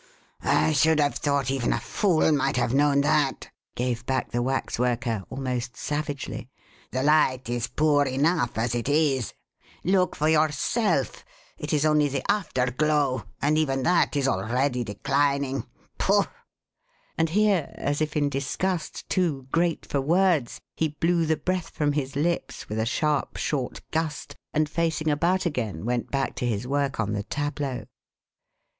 "I should have thought even a fool might have known that!" gave back the waxworker, almost savagely. "The light is poor enough as it is. Look for yourself. It is only the afterglow and even that is already declining. Pouffe!" And here, as if in disgust too great for words, he blew the breath from his lips with a sharp, short gust, and facing about again went back to his work on the tableau.